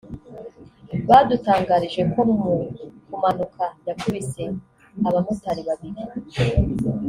badutangarije ko mu kumanuka yakubise abamotari babiri